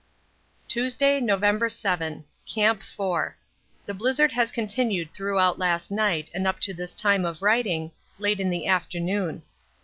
] Tuesday, November 7. Camp 4. The blizzard has continued throughout last night and up to this time of writing, late in the afternoon.